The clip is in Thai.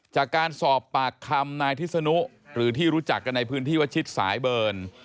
จากการสอบปากคำนายทิศนุหรือที่รู้จักกันในพื้นที่วัดชิดสายเบิร์น